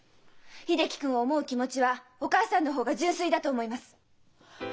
秀樹君を思う気持ちはお母さんの方が純粋だと思います。